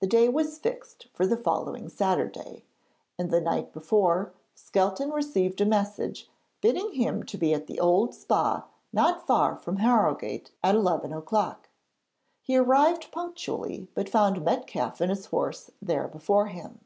The day was fixed for the following Saturday, and the night before, Skelton received a message bidding him to be at the old Spa not far from Harrogate at eleven o'clock. He arrived punctually, but found Metcalfe and his horse there before him.